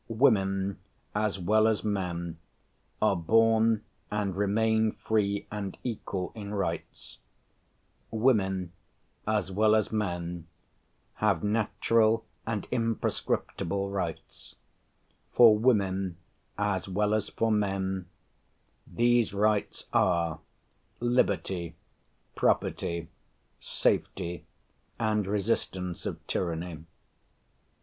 Women, as well as men, "are born and remain free and equal in rights;" women, as well as men, have "natural and imprescriptible rights;" for women, as well as for men, "these rights are liberty, property, safety, and resistance of tyranny."